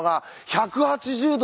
１８０°